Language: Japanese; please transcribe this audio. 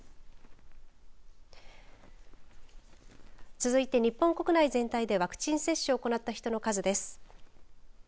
続いて日本国内全体でワクチン接種を行った人の数です。